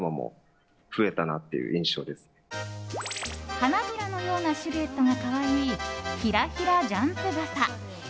花びらのようなシルエットが可愛い、ひらひらジャンプ傘！